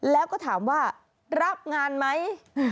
แล้วก็ถามว่ารับงานไหม